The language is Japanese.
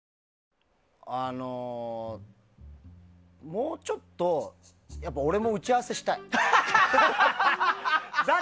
もうちょっと俺も打ち合わせしたい。